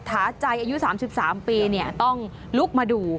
ถาใจอายุ๓๓ปีต้องลุกมาดู